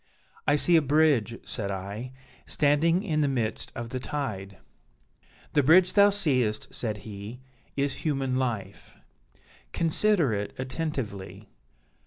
'I see a bridge,' said I, 'standing in the midst of the tide.' 'The bridge thou seest,' said he, 'is Human Life; consider it attentively.'